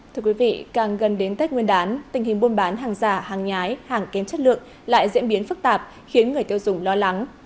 thưa quý vị càng gần đến tết nguyên đán tình hình buôn bán hàng giả hàng nhái hàng kém chất lượng lại diễn biến phức tạp khiến người tiêu dùng lo lắng